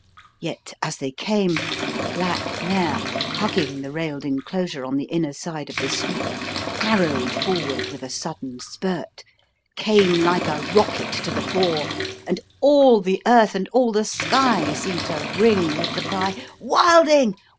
Yet, as they came, a black mare, hugging the railed enclosure on the inner side of the sweep, arrowed forward with a sudden spurt, came like a rocket to the fore, and all the earth and all the sky seemed to ring with the cry: "Wilding!